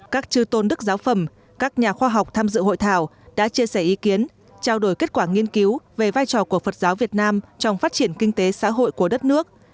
các trư tôn đức giáo phẩm các nhà khoa học tham dự hội thảo đã chia sẻ ý kiến trao đổi kết quả nghiên cứu về vai trò của phật giáo việt nam trong phát triển kinh tế xã hội của đất nước